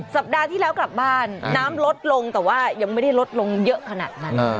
สัปดาห์ที่แล้วกลับบ้านน้ำลดลงแต่ว่ายังไม่ได้ลดลงเยอะขนาดนั้น